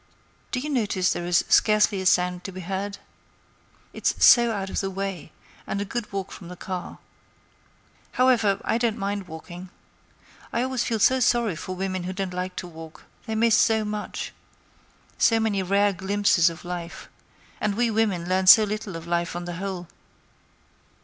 Do you notice there is scarcely a sound to be heard? It's so out of the way; and a good walk from the car. However, I don't mind walking. I always feel so sorry for women who don't like to walk; they miss so much—so many rare little glimpses of life; and we women learn so little of life on the whole.